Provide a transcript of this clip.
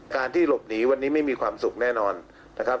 การที่หลบหนีวันนี้ไม่มีความสุขแน่นอนนะครับ